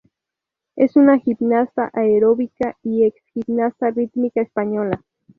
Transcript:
Es una gimnasta aeróbica y ex gimnasta rítmica española.